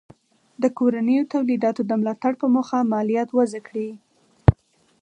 د کورنیو تولیداتو د ملاتړ په موخه مالیات وضع کړي.